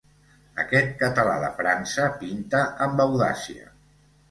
Aquest català de França pinta amb audàcia.